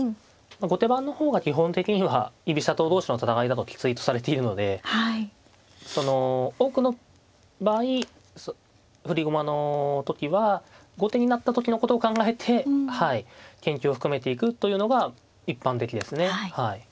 後手番の方が基本的には居飛車党同士の戦いだときついとされているので多くの場合振り駒の時は後手になった時のことを考えて研究を深めていくというのが一般的ですね。